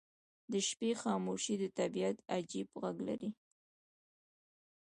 • د شپې خاموشي د طبیعت عجیب غږ لري.